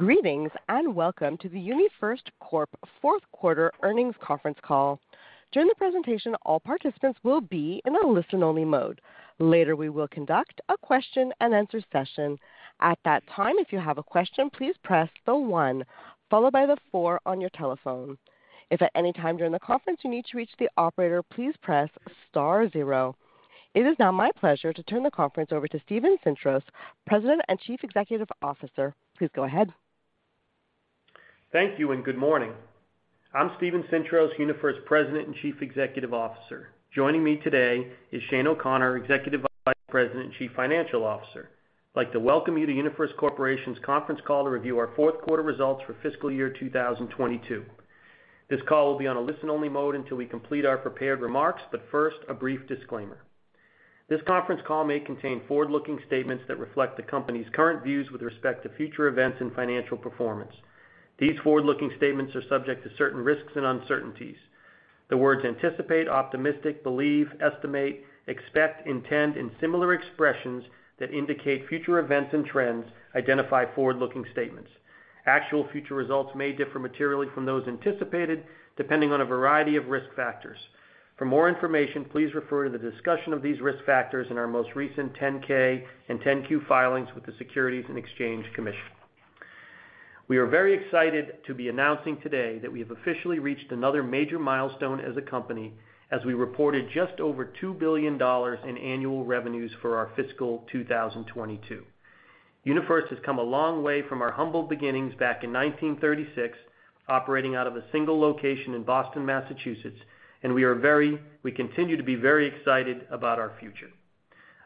Greetings, and welcome to the UniFirst Corp Fourth Quarter Earnings Conference Call. During the presentation, all participants will be in a listen-only mode. Later, we will conduct a Q&A session. At that time, if you have a question, please press the one followed by the four on your telephone. If at any time during the conference you need to reach the operator, please press star zero. It is now my pleasure to turn the conference over to Steven Sintros, President and Chief Executive Officer. Please go ahead. Thank you, and good morning. I'm Steven Sintros, UniFirst President and Chief Executive Officer. Joining me today is Shane O'Connor, Executive Vice President and Chief Financial Officer. I'd like to welcome you to UniFirst Corporation's conference call to review our fourth quarter results for fiscal year 2022. This call will be on a listen-only mode until we complete our prepared remarks, but first, a brief disclaimer. This conference call may contain forward-looking statements that reflect the company's current views with respect to future events and financial performance. These forward-looking statements are subject to certain risks and uncertainties. The words anticipate, optimistic, believe, estimate, expect, intend, and similar expressions that indicate future events and trends identify forward-looking statements. Actual future results may differ materially from those anticipated, depending on a variety of risk factors. For more information, please refer to the discussion of these risk factors in our most recent 10-K and 10-Q filings with the Securities and Exchange Commission. We are very excited to be announcing today that we have officially reached another major milestone as a company as we reported just over $2 billion in annual revenues for our fiscal 2022. UniFirst has come a long way from our humble beginnings back in 1936, operating out of a single location in Boston, Massachusetts, and we continue to be very excited about our future.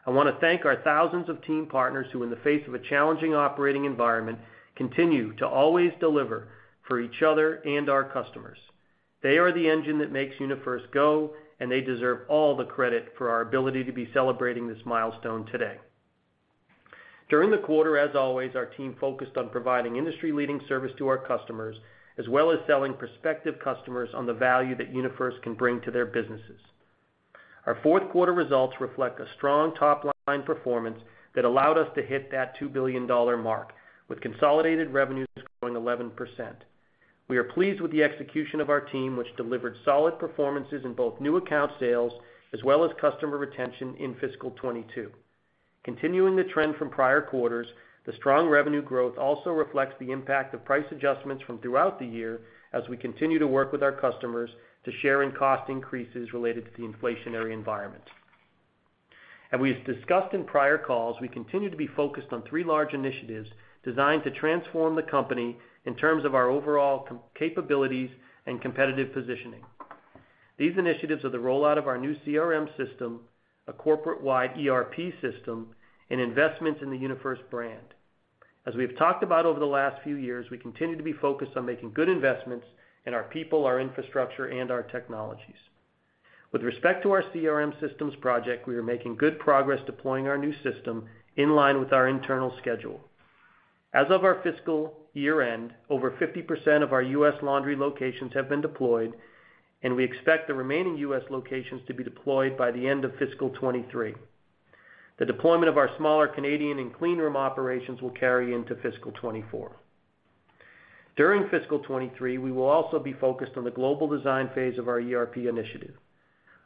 I wanna thank our thousands of team partners who, in the face of a challenging operating environment, continue to always deliver for each other and our customers. They are the engine that makes UniFirst Go, and they deserve all the credit for our ability to be celebrating this milestone today. During the quarter, as always, our team focused on providing industry-leading service to our customers, as well as selling prospective customers on the value that UniFirst can bring to their businesses. Our fourth quarter results reflect a strong top-line performance that allowed us to hit that $2 billion mark, with consolidated revenues growing 11%. We are pleased with the execution of our team, which delivered solid performances in both new account sales as well as customer retention in fiscal 2022. Continuing the trend from prior quarters, the strong revenue growth also reflects the impact of price adjustments from throughout the year as we continue to work with our customers to share in cost increases related to the inflationary environment. As we have discussed in prior calls, we continue to be focused on three large initiatives designed to transform the company in terms of our overall capabilities and competitive positioning. These initiatives are the rollout of our new CRM system, a corporate-wide ERP system, and investments in the UniFirst brand. As we have talked about over the last few years, we continue to be focused on making good investments in our people, our infrastructure, and our technologies. With respect to our CRM systems project, we are making good progress deploying our new system in line with our internal schedule. As of our fiscal year-end, over 50% of our U.S. laundry locations have been deployed, and we expect the remaining U.S. locations to be deployed by the end of fiscal 2023. The deployment of our smaller Canadian and clean room operations will carry into fiscal 2024. During fiscal 2023, we will also be focused on the global design phase of our ERP initiative.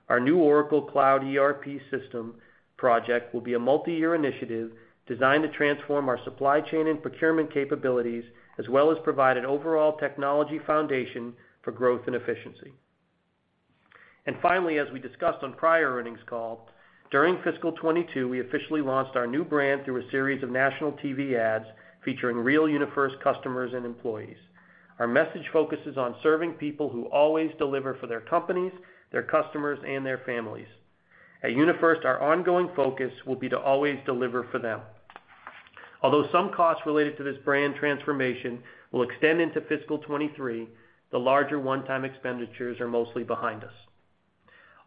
Our new Oracle Cloud ERP system project will be a multi-year initiative designed to transform our supply chain and procurement capabilities, as well as provide an overall technology foundation for growth and efficiency. Finally, as we discussed on prior earnings call, during fiscal 2022, we officially launched our new brand through a series of national TV ads featuring real UniFirst customers and employees. Our message focuses on serving people who always deliver for their companies, their customers, and their families. At UniFirst, our ongoing focus will be to always deliver for them. Although some costs related to this brand transformation will extend into fiscal 2023, the larger one-time expenditures are mostly behind us.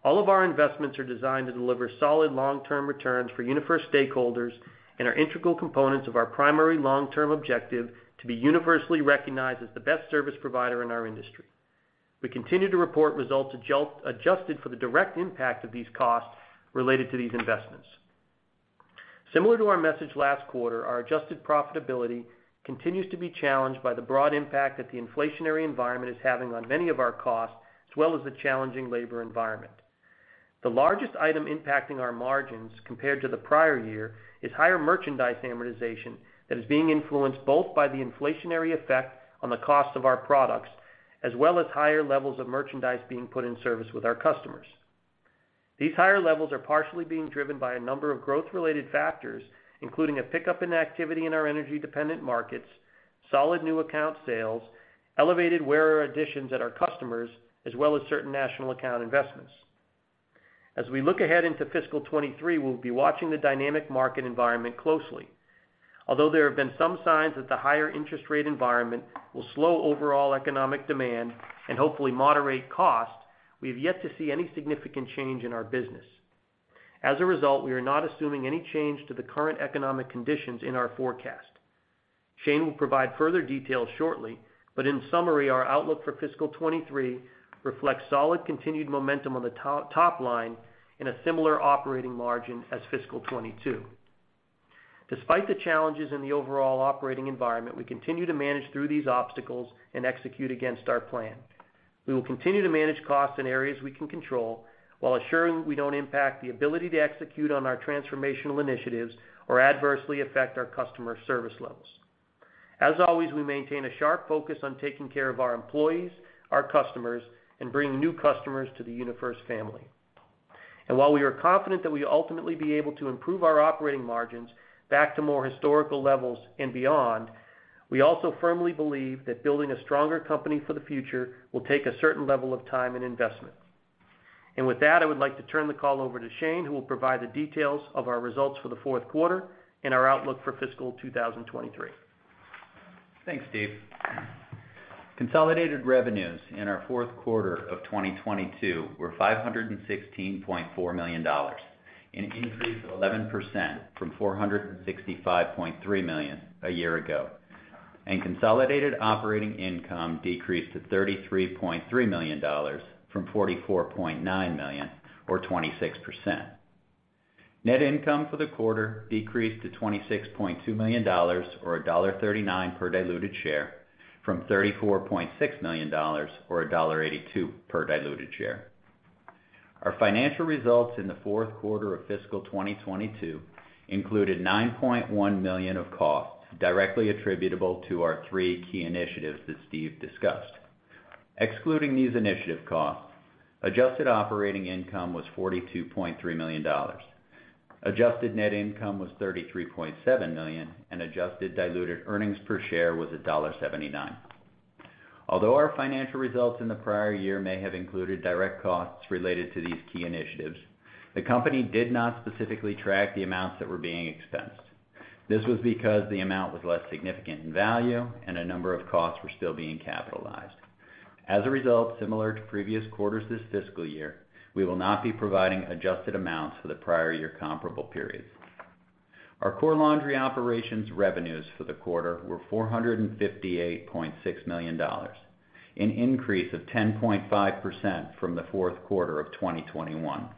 All of our investments are designed to deliver solid long-term returns for UniFirst stakeholders and are integral components of our primary long-term objective to be universally recognized as the best service provider in our industry. We continue to report results adjusted for the direct impact of these costs related to these investments. Similar to our message last quarter, our adjusted profitability continues to be challenged by the broad impact that the inflationary environment is having on many of our costs, as well as the challenging labor environment. The largest item impacting our margins compared to the prior year is higher merchandise amortization that is being influenced both by the inflationary effect on the cost of our products, as well as higher levels of merchandise being put in service with our customers. These higher levels are partially being driven by a number of growth-related factors, including a pickup in activity in our energy-dependent markets, solid new account sales, elevated wearer additions at our customers, as well as certain national account investments. As we look ahead into fiscal 2023, we'll be watching the dynamic market environment closely. Although there have been some signs that the higher interest rate environment will slow overall economic demand and hopefully moderate cost, we have yet to see any significant change in our business. As a result, we are not assuming any change to the current economic conditions in our forecast. Shane will provide further details shortly, but in summary, our outlook for fiscal 2023 reflects solid continued momentum on the top line and a similar operating margin as fiscal 2022. Despite the challenges in the overall operating environment, we continue to manage through these obstacles and execute against our plan. We will continue to manage costs in areas we can control while assuring that we don't impact the ability to execute on our transformational initiatives or adversely affect our customer service levels. As always, we maintain a sharp focus on taking care of our employees, our customers, and bringing new customers to the UniFirst family. While we are confident that we ultimately be able to improve our operating margins back to more historical levels and beyond, we also firmly believe that building a stronger company for the future will take a certain level of time and investment. With that, I would like to turn the call over to Shane, who will provide the details of our results for the fourth quarter and our outlook for fiscal 2023. Thanks Steve. Consolidated revenues in our fourth quarter of 2022 were $516.4 million, an increase of 11% from $465.3 million a year ago, and consolidated operating income decreased to $33.3 million from $44.9 million, or 26%. Net income for the quarter decreased to $26.2 million, or $1.39 per diluted share from $34.6 million, or $1.82 per diluted share. Our financial results in the fourth quarter of fiscal 2022 included $9.1 million of costs directly attributable to our three key initiatives that Steve discussed. Excluding these initiative costs, adjusted operating income was $42.3 million. Adjusted net income was $33.7 million, and adjusted diluted earnings per share was $1.79. Although our financial results in the prior year may have included direct costs related to these key initiatives, the company did not specifically track the amounts that were being expensed. This was because the amount was less significant in value and a number of costs were still being capitalized. As a result, similar to previous quarters this fiscal year, we will not be providing adjusted amounts for the prior year comparable periods. Our Core Laundry Operations revenues for the quarter were $458.6 million, an increase of 10.5% from the fourth quarter of 2021.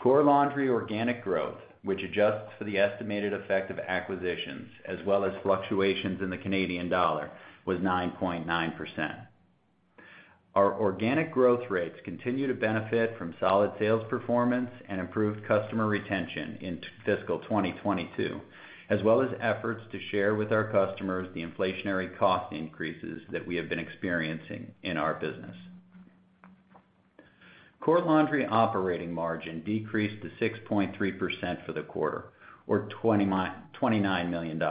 Core Laundry organic growth, which adjusts for the estimated effect of acquisitions as well as fluctuations in the Canadian dollar, was 9.9%. Our organic growth rates continue to benefit from solid sales performance and improved customer retention in fiscal 2022, as well as efforts to share with our customers the inflationary cost increases that we have been experiencing in our business. Core Laundry operating margin decreased to 6.3% for the quarter, or $29 million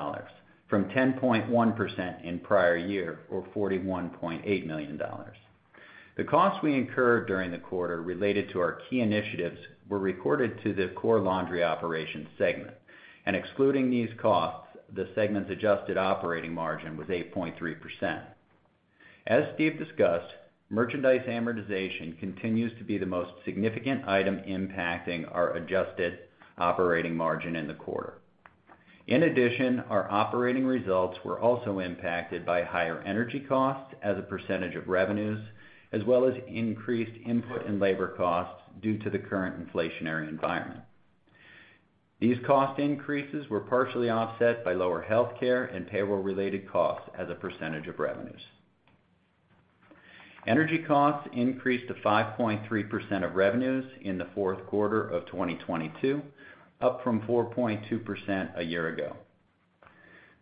from 10.1% in prior year or $41.8 million. The costs we incurred during the quarter related to our key initiatives were recorded to the Core Laundry Operations segment, and excluding these costs, the segment's adjusted operating margin was 8.3%. As Steven discussed, merchandise amortization continues to be the most significant item impacting our adjusted operating margin in the quarter. In addition, our operating results were also impacted by higher energy costs as a percentage of revenues, as well as increased input and labor costs due to the current inflationary environment. These cost increases were partially offset by lower healthcare and payroll-related costs as a percentage of revenues. Energy costs increased to 5.3% of revenues in the fourth quarter of 2022, up from 4.2% a year ago.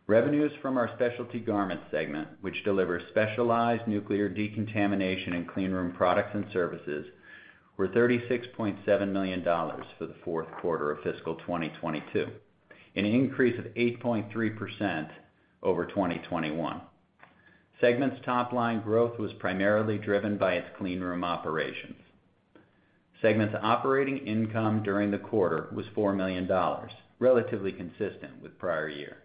Revenues from our Specialty Garments segment, which delivers specialized nuclear decontamination and cleanroom products and services, were $36.7 million for the fourth quarter of fiscal 2022, an increase of 8.3% over 2021. Segment's top line growth was primarily driven by its cleanroom operations. Segment's operating income during the quarter was $4 million, relatively consistent with prior year.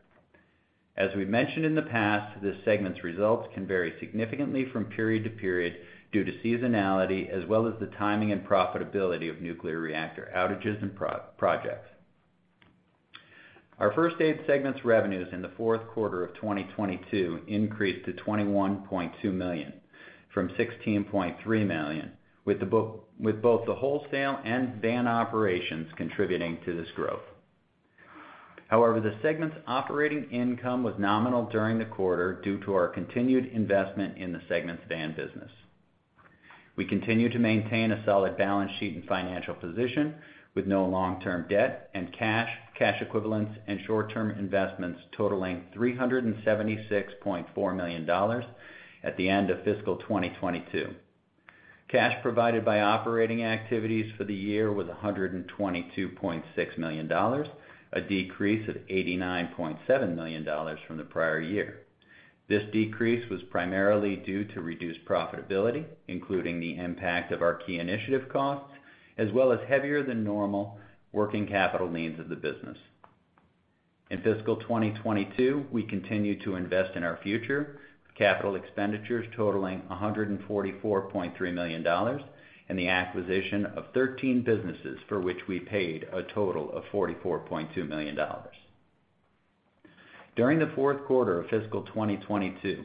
As we've mentioned in the past, this segment's results can vary significantly from period to period due to seasonality, as well as the timing and profitability of nuclear reactor outages and projects. Our First Aid segment's revenues in the fourth quarter of 2022 increased to $21.2 million from $16.3 million, with both the wholesale and VAN operations contributing to this growth. However, the segment's operating income was nominal during the quarter due to our continued investment in the segment's VAN business. We continue to maintain a solid balance sheet and financial position with no long-term debt and cash equivalents, and short-term investments totaling $376.4 million at the end of fiscal 2022. Cash provided by operating activities for the year was $122.6 million, a decrease of $89.7 million from the prior year. This decrease was primarily due to reduced profitability, including the impact of our key initiative costs, as well as heavier than normal working capital needs of the business. In fiscal 2022, we continued to invest in our future, capital expenditures totaling $144.3 million, and the acquisition of 13 businesses for which we paid a total of $44.2 million. During the fourth quarter of fiscal 2022,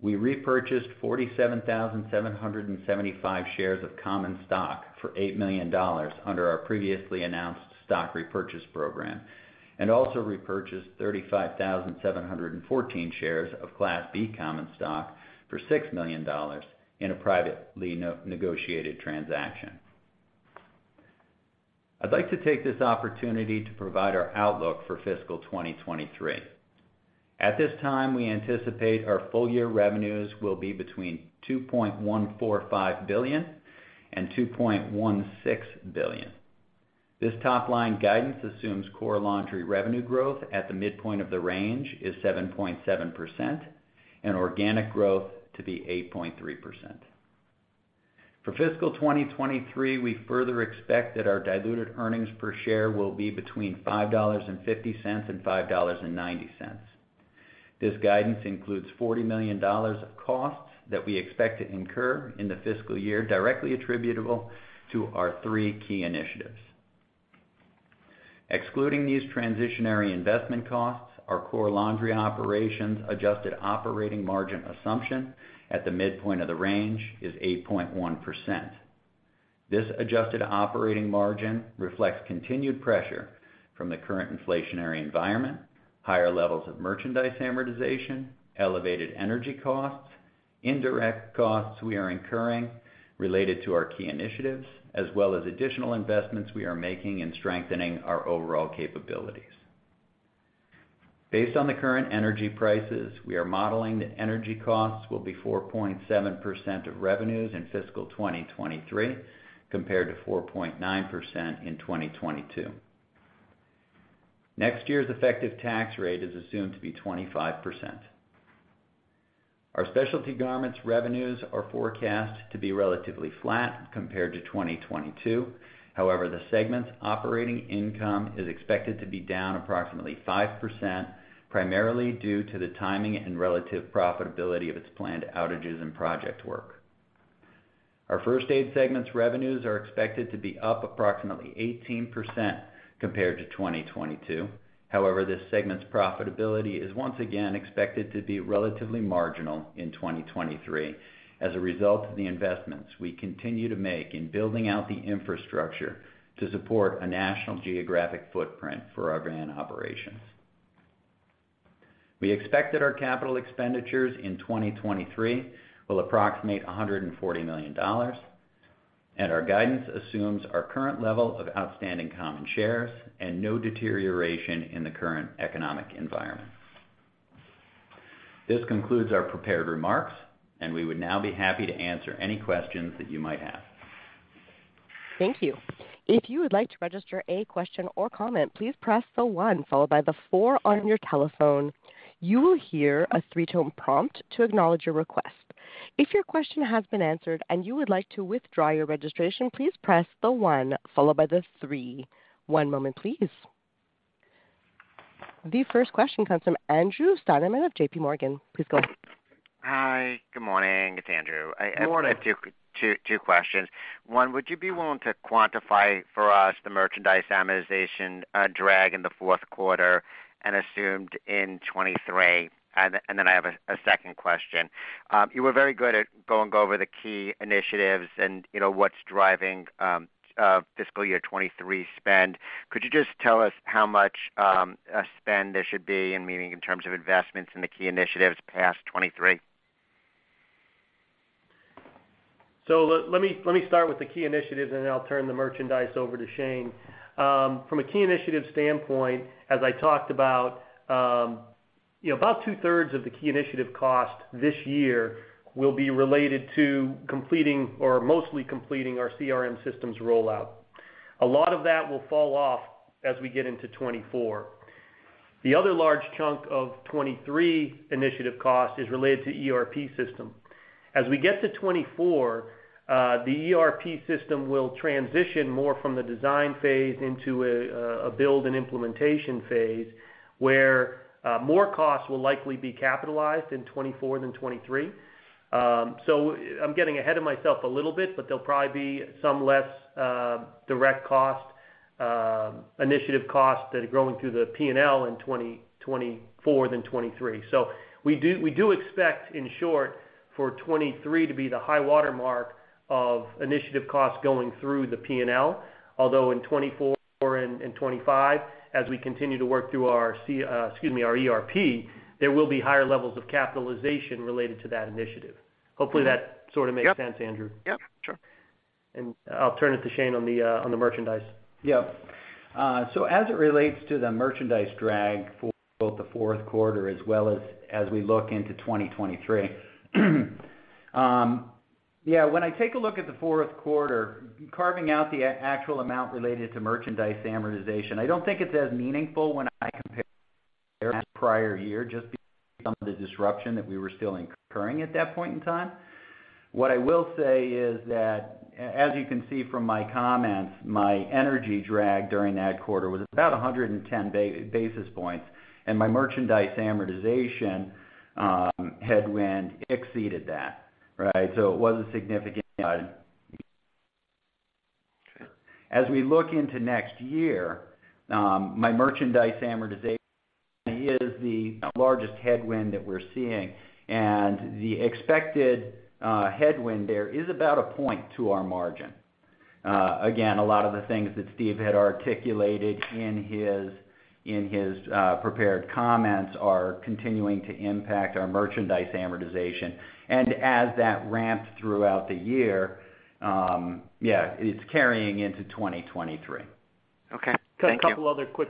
we repurchased 47,775 shares of common stock for $8 million under our previously announced stock repurchase program, and also repurchased 35,714 shares of Class B Common Stock for $6 million in a privately negotiated transaction. I'd like to take this opportunity to provide our outlook for fiscal 2023. At this time, we anticipate our full year revenues will be between $2.145 billion and $2.16 billion. This top-line guidance assumes Core Laundry revenue growth at the midpoint of the range is 7.7% and organic growth to be 8.3%. For fiscal 2023, we further expect that our diluted earnings per share will be between $5.50 and $5.90. This guidance includes $40 million of costs that we expect to incur in the fiscal year directly attributable to our three key initiatives. Excluding these transitory investment costs, our Core Laundry Operations adjusted operating margin assumption at the midpoint of the range is 8.1%. This adjusted operating margin reflects continued pressure from the current inflationary environment, higher levels of merchandise amortization, elevated energy costs, indirect costs we are incurring related to our key initiatives, as well as additional investments we are making in strengthening our overall capabilities. Based on the current energy prices, we are modeling that energy costs will be 4.7% of revenues in fiscal 2023 compared to 4.9% in 2022. Next year's effective tax rate is assumed to be 25%. Our Specialty Garments revenues are forecast to be relatively flat compared to 2022. However, the segment's operating income is expected to be down approximately 5%, primarily due to the timing and relative profitability of its planned outages and project work. Our First Aid segment's revenues are expected to be up approximately 18% compared to 2022. However, this segment's profitability is once again expected to be relatively marginal in 2023 as a result of the investments we continue to make in building out the infrastructure to support a national geographic footprint for our brand operations. We expect that our capital expenditures in 2023 will approximate $140 million, and our guidance assumes our current level of outstanding common shares and no deterioration in the current economic environment. This concludes our prepared remarks, and we would now be happy to answer any questions that you might have. Thank you. If you would like to register a question or comment, please press the one followed by the four on your telephone. You will hear a three-tone prompt to acknowledge your request. If your question has been answered and you would like to withdraw your registration, please press the one followed by the three. One moment, please. The first question comes from Andrew Steinerman of J.P. Morgan. Please go. Hi, good morning. It's Andrew. Good morning. I have two questions. One, would you be willing to quantify for us the merchandise amortization drag in the fourth quarter and assumed in 2023? Then I have a second question. You were very good at going over the key initiatives and, you know, what's driving fiscal year 2023 spend. Could you just tell us how much spend there should be, and meaning in terms of investments in the key initiatives past 2023? Let me start with the key initiatives, and then I'll turn it over to Shane. From a key initiative standpoint, as I talked about 2/3 of the key initiative cost this year will be related to completing or mostly completing our CRM systems rollout. A lot of that will fall off as we get into 2024. The other large chunk of 2023 initiative cost is related to ERP system. As we get to 2024, the ERP system will transition more from the design phase into a build and implementation phase, where more costs will likely be capitalized in 2024 than 2023. I'm getting ahead of myself a little bit, but there'll probably be some less direct cost initiative costs that are going through the P&L in 2024 than 2023. We do expect, in short, for 2023 to be the high watermark of initiative costs going through the P&L, although in 2024 and 2025, as we continue to work through our ERP, there will be higher levels of capitalization related to that initiative. Hopefully that sort of makes sense, Andrew. Yep. Yep, sure. I'll turn it to Shane on the merchandise. Yep. So as it relates to the merchandise drag for both the fourth quarter as well as we look into 2023. Yeah, when I take a look at the fourth quarter, carving out the actual amount related to merchandise amortization, I don't think it's as meaningful when I compare to the prior year, just because some of the disruption that we were still incurring at that point in time. What I will say is that as you can see from my comments, my energy drag during that quarter was about 110 basis points, and my merchandise amortization headwind exceeded that, right? It was a significant item. As we look into next year, my merchandise amortization is the largest headwind that we're seeing, and the expected headwind there is about a point to our margin. Again, a lot of the things that Steven had articulated in his prepared comments are continuing to impact our merchandise amortization. As that ramps throughout the year, it's carrying into 2023. Okay. Thank you. A couple other quick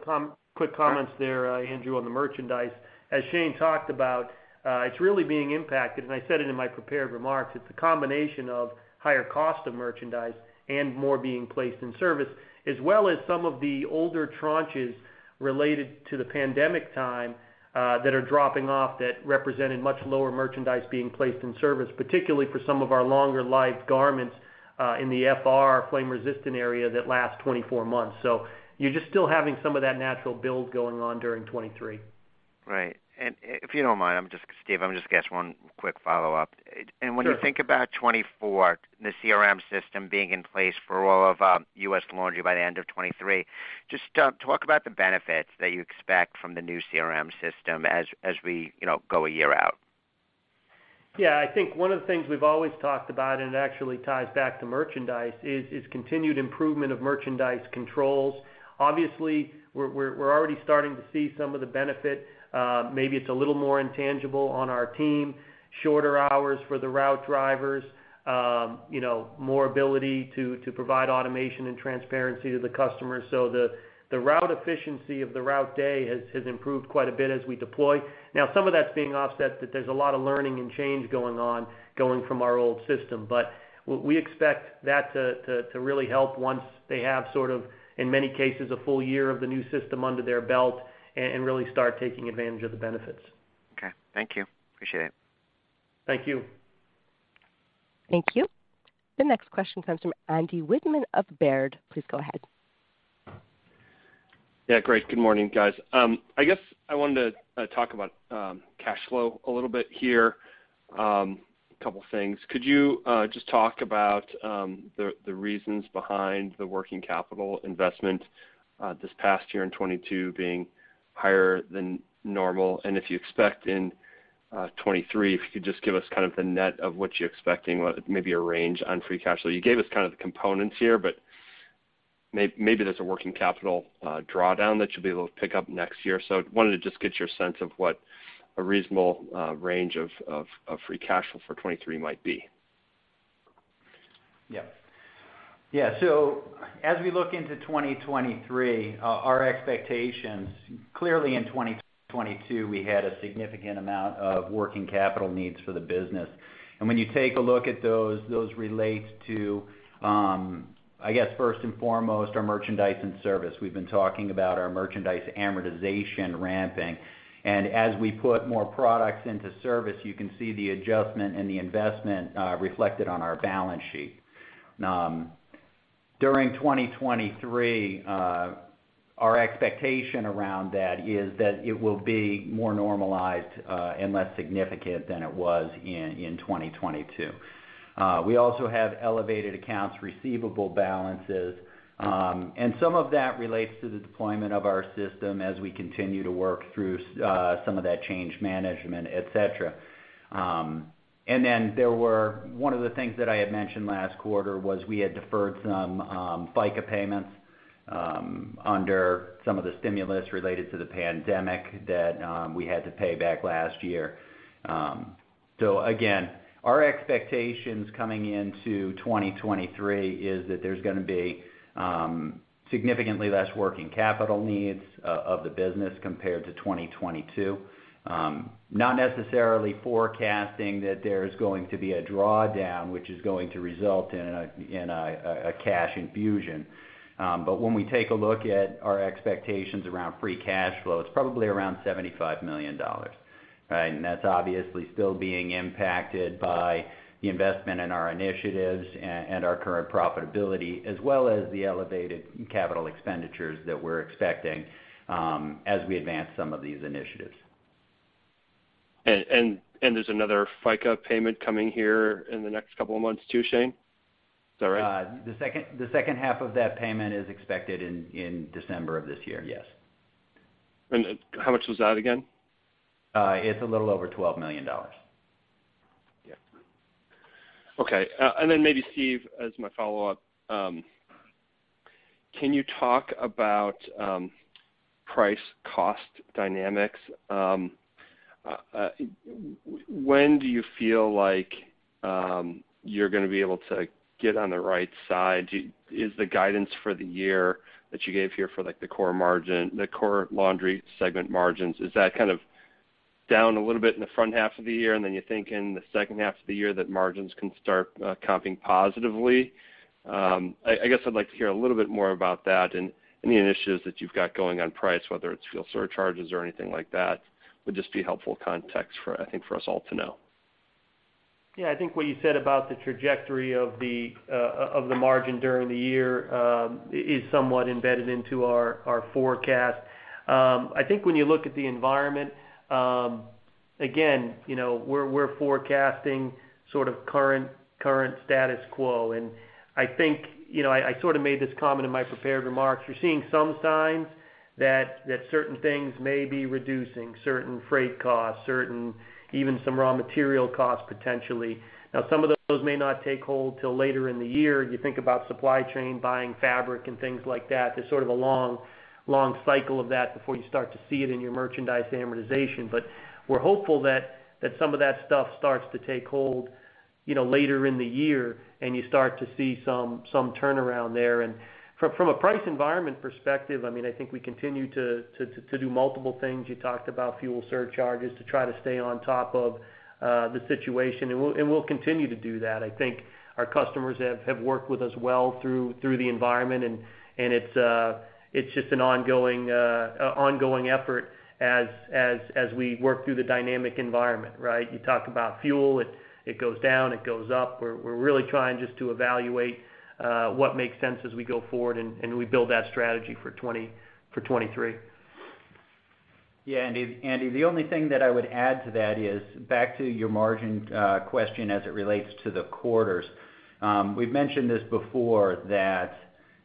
comments there, Andrew, on the merchandise. As Shane talked about, it's really being impacted, and I said it in my prepared remarks, it's a combination of higher cost of merchandise and more being placed in service, as well as some of the older tranches related to the pandemic time, that are dropping off that represented much lower merchandise being placed in service, particularly for some of our longer life garments, in the FR, flame-resistant area, that lasts 24 months. You're just still having some of that natural build going on during 2023. Right. If you don't mind, Steven, I'm just gonna ask one quick follow-up. Sure. When you think about 2024, the CRM system being in place for all of U.S. Laundry by the end of 2023, just talk about the benefits that you expect from the new CRM system as we, you know, go a year out? Yeah. I think one of the things we've always talked about, and it actually ties back to merchandise, is continued improvement of merchandise controls. Obviously, we're already starting to see some of the benefit. Maybe it's a little more intangible on our team, shorter hours for the route drivers, you know, more ability to provide automation and transparency to the customers. So the route efficiency of the route day has improved quite a bit as we deploy. Now some of that's being offset, but there's a lot of learning and change going on from our old system. But we expect that to really help once they have sort of, in many cases, a full year of the new system under their belt and really start taking advantage of the benefits. Okay. Thank you. Appreciate it. Thank you. Thank you. The next question comes from Andy Wittmann of Baird. Please go ahead. Yeah, great. Good morning, guys. I guess I wanted to talk about cash flow a little bit here. A couple things. Could you just talk about the reasons behind the working capital investment this past year in 2022 being higher than normal? And if you expect in 2023, if you could just give us kind of the net of what you're expecting, maybe a range on free cash flow. You gave us kind of the components here, but maybe there's a working capital draw-down that you'll be able to pick up next year. Wanted to just get your sense of what a reasonable range of free cash flow for 2023 might be. As we look into 2023, our expectations, clearly in 2022, we had a significant amount of working capital needs for the business. When you take a look at those relate to, I guess first and foremost, our merchandise in service. We've been talking about our merchandise amortization ramping. As we put more products into service, you can see the adjustment and the investment reflected on our balance sheet. During 2023, our expectation around that is that it will be more normalized and less significant than it was in 2022. We also have elevated accounts receivable balances, and some of that relates to the deployment of our system as we continue to work through some of that change management, etc. One of the things that I had mentioned last quarter was we had deferred some FICA payments under some of the stimulus related to the pandemic that we had to pay back last year. Again, our expectations coming into 2023 is that there's gonna be significantly less working capital needs of the business compared to 2022. Not necessarily forecasting that there's going to be a draw-down, which is going to result in a cash infusion. When we take a look at our expectations around free cash flow, it's probably around $75 million, right? That's obviously still being impacted by the investment in our initiatives and our current profitability, as well as the elevated capital expenditures that we're expecting as we advance some of these initiatives. There's another FICA payment coming here in the next couple of months too, Shane? Is that right? The second half of that payment is expected in December of this year, yes. How much was that again? It's a little over $12 million. Yeah. Okay. Maybe Steven, as my follow-up, can you talk about price-cost dynamics? When do you feel like you're gonna be able to get on the right side? Is the guidance for the year that you gave here for, like, the Core Laundry segment margins, is that kind of down a little bit in the front half of the year, and then you think in the second half of the year that margins can start comping positively? I guess I'd like to hear a little bit more about that and any initiatives that you've got going on price, whether it's fuel surcharges or anything like that, would just be helpful context for, I think, for us all to know. Yeah. I think what you said about the trajectory of the margin during the year is somewhat embedded into our forecast. I think when you look at the environment, again, you know, we're forecasting sort of current status quo. I think, you know, I sorta made this comment in my prepared remarks. We're seeing some signs that certain things may be reducing, certain freight costs, certain even some raw material costs, potentially. Now, some of those may not take hold till later in the year. You think about supply chain, buying fabric and things like that. There's sort of a long cycle of that before you start to see it in your merchandise amortization. We're hopeful that some of that stuff starts to take hold later in the year, and you start to see some turnaround there. From a price environment perspective, I mean, I think we continue to do multiple things. You talked about fuel surcharges to try to stay on top of the situation, and we'll continue to do that. I think our customers have worked with us well through the environment, and it's just an ongoing effort as we work through the dynamic environment, right? You talk about fuel. It goes down, it goes up. We're really trying just to evaluate what makes sense as we go forward, and we build that strategy for 2023. Yeah, Andy, the only thing that I would add to that is, back to your margin question as it relates to the quarters. We've mentioned this before that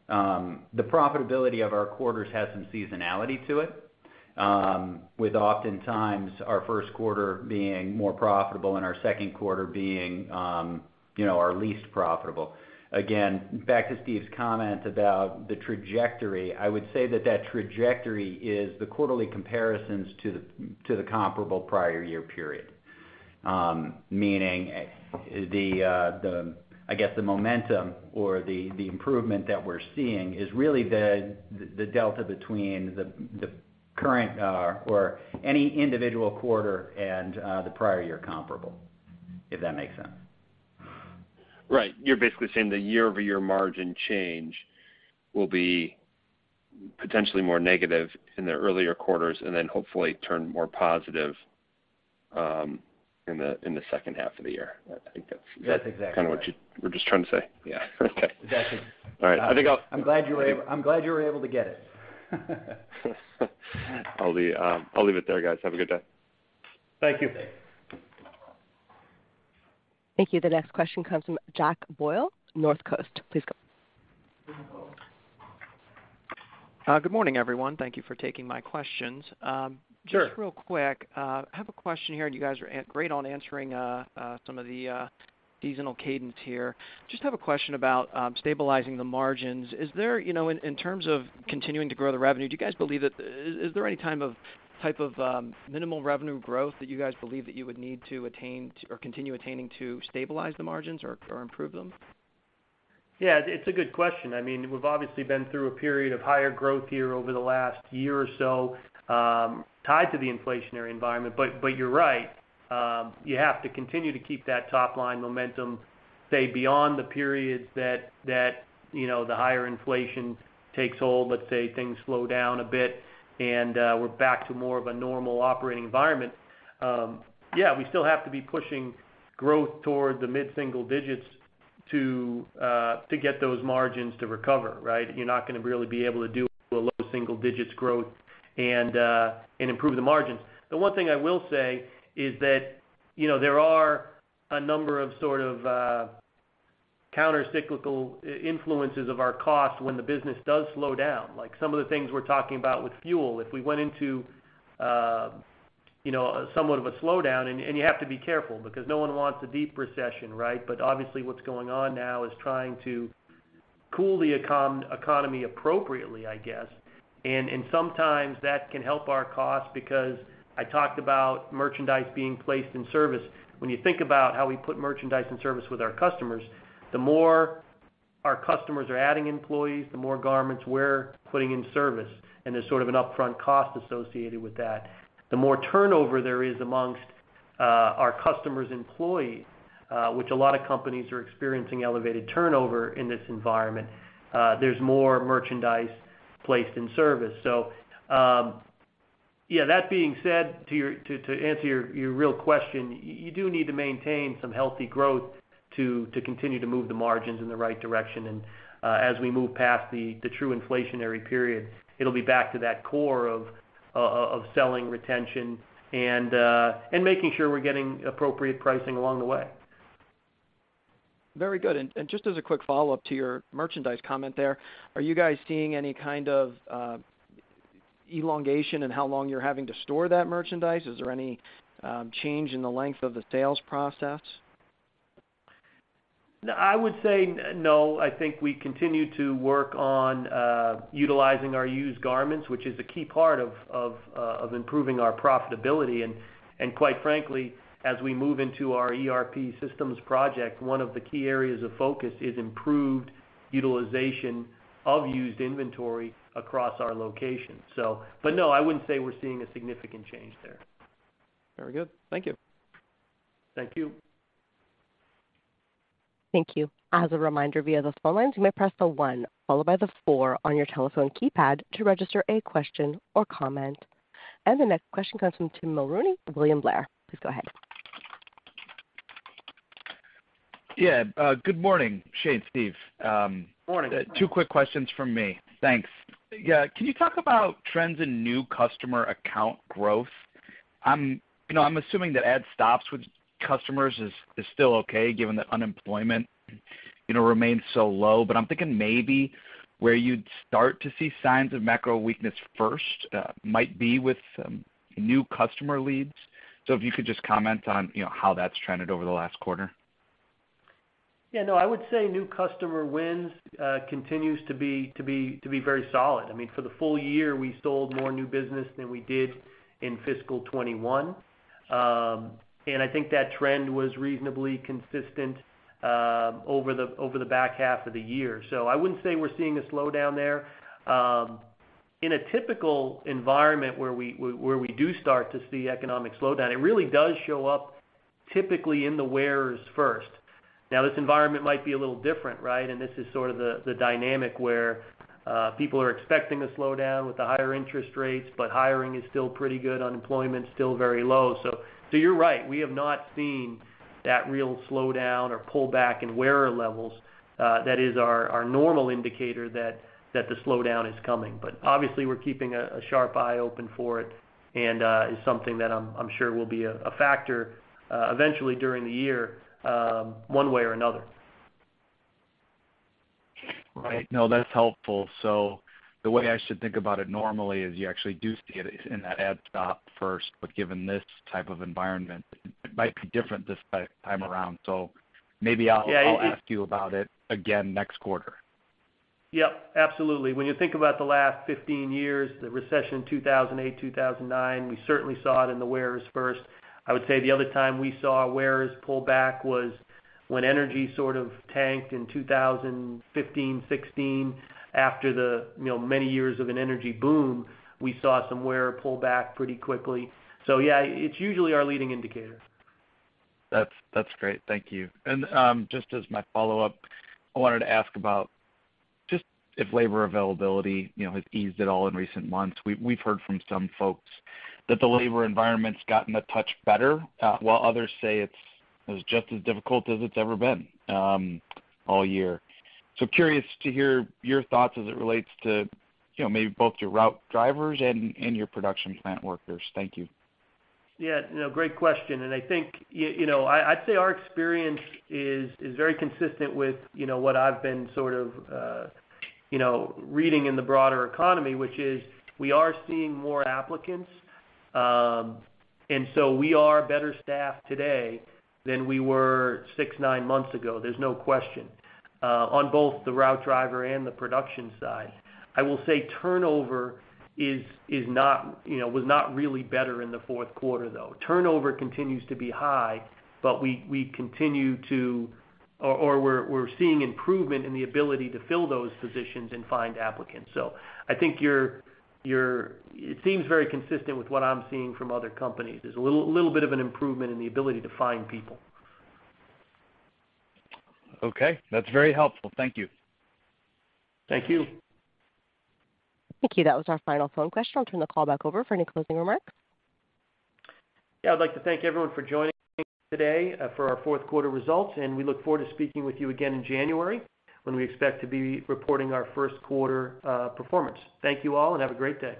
the profitability of our quarters has some seasonality to it, with oftentimes our first quarter being more profitable and our second quarter being, you know, our least profitable. Again, back to Steven's comment about the trajectory, I would say that trajectory is the quarterly comparisons to the comparable prior year period. Meaning the, I guess, the momentum or the improvement that we're seeing is really the delta between the current or any individual quarter and the prior year comparable, if that makes sense. Right. You're basically saying the year-over-year margin change will be potentially more negative in the earlier quarters, and then hopefully turn more positive, in the second half of the year. I think that's. That's exactly right. Kinda what you were just trying to say. Yeah. Okay. Exactly. All right. I think I'll. I'm glad you were able to get it. I'll leave it there, guys. Have a good day. Thank you. Thank you. Thank you. The next question comes from Jack Boyle, Northcoast Research. Please go. Good morning, everyone. Thank you for taking my questions. Sure. Just real quick, I have a question here. You guys are great on answering some of the seasonal cadence here. Just have a question about stabilizing the margins. Is there, you know, in terms of continuing to grow the revenue, do you guys believe that is there any type of minimal revenue growth that you guys believe that you would need to attain or continue attaining to stabilize the margins or improve them? Yeah, it's a good question. I mean, we've obviously been through a period of higher growth here over the last year or so, tied to the inflationary environment. You're right. You have to continue to keep that top line momentum, say beyond the periods that you know the higher inflation takes hold. Let's say things slow down a bit, and we're back to more of a normal operating environment. Yeah, we still have to be pushing growth towards the mid-single digits to get those margins to recover, right? You're not gonna really be able to do a low single-digits growth and improve the margins. The one thing I will say is that, there are a number of sort of counter-cyclical influences of our costs when the business does slow down. Like some of the things we're talking about with fuel. If we went into, you know, somewhat of a slowdown, and you have to be careful because no one wants a deep recession, right? But obviously, what's going on now is trying to cool the economy appropriately, I guess. Sometimes that can help our costs because I talked about merchandise being placed in service. When you think about how we put merchandise in service with our customers, the more our customers are adding employees, the more garments we're putting in service, and there's sort of an upfront cost associated with that. The more turnover there is among our customers' employees, which a lot of companies are experiencing elevated turnover in this environment, there's more merchandise placed in service. That being said, to answer your real question, you do need to maintain some healthy growth to continue to move the margins in the right direction. As we move past the true inflationary period, it'll be back to that core of selling retention and making sure we're getting appropriate pricing along the way. Very good. Just as a quick follow-up to your merchandise comment there, are you guys seeing any kind of elongation in how long you're having to store that merchandise? Is there any change in the length of the sales process? No, I would say no. I think we continue to work on utilizing our used garments, which is a key part of improving our profitability. Quite frankly, as we move into our ERP systems project, one of the key areas of focus is improved utilization of used inventory across our locations. No, I wouldn't say we're seeing a significant change there. Very good. Thank you. Thank you. Thank you. As a reminder, via the phone lines, you may press the one followed by the four on your telephone keypad to register a question or comment. The next question comes from Tim Mulrooney, William Blair. Please go ahead. Yeah. Good morning, Shane. Steve. Morning. Two quick questions from me. Thanks. Yeah, can you talk about trends in new customer account growth? I'm you know assuming that add stops with customers is still okay given that unemployment you know remains so low. But I'm thinking maybe where you'd start to see signs of macro weakness first might be with new customer leads. If you could just comment on you know how that's trended over the last quarter. Yeah, no, I would say new customer wins continues to be very solid. I mean, for the full year, we sold more new business than we did in fiscal 2021. I think that trend was reasonably consistent over the back half of the year. I wouldn't say we're seeing a slowdown there. In a typical environment where we do start to see economic slowdown, it really does show up typically in the wares first. Now, this environment might be a little different, right? This is sort of the dynamic where people are expecting a slowdown with the higher interest rates, but hiring is still pretty good, unemployment's still very low. You're right. We have not seen that real slowdown or pullback in wearer levels. That is our normal indicator that the slowdown is coming. But obviously we're keeping a sharp eye open for it, and is something that I'm sure will be a factor eventually during the year, one way or another. Right. No, that's helpful. The way I should think about it normally is you actually do see it in that ad stop first, but given this type of environment, it might be different this time around. Maybe I'll ask you about it again next quarter. Yep, absolutely. When you think about the last 15 years, the recession 2008, 2009, we certainly saw it in the wearers first. I would say the other time we saw wearers pull back was when energy sort of tanked in 2015, 2016. After the many years of an energy boom, we saw some wearers pull back pretty quickly. Yeah, it's usually our leading indicator. That's great. Thank you. Just as my follow-up, I wanted to ask about just if labor availability, you know, has eased at all in recent months. We've heard from some folks that the labor environment's gotten a touch better, while others say it's just as difficult as it's ever been, all year. Curious to hear your thoughts as it relates to, you know, maybe both your route drivers and your production plant workers. Thank you. Yeah, no, great question. I think I'd say our experience is very consistent with what I've been sort of reading in the broader economy, which is we are seeing more applicants. We are better staffed today than we were six to nine months ago, there's no question, on both the route driver and the production side. I will say turnover was not really better in the fourth quarter, though. Turnover continues to be high, but we're seeing improvement in the ability to fill those positions and find applicants. I think you're it seems very consistent with what I'm seeing from other companies. There's a little bit of an improvement in the ability to find people. Okay. That's very helpful. Thank you. Thank you. Thank you. That was our final phone question. I'll turn the call back over for any closing remarks. Yeah. I'd like to thank everyone for joining today, for our fourth quarter results, and we look forward to speaking with you again in January when we expect to be reporting our first quarter performance. Thank you all, and have a great day.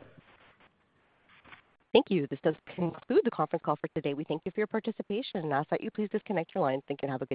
Thank you. This does conclude the conference call for today. We thank you for your participation and ask that you please disconnect your lines. Thank you and have a good day.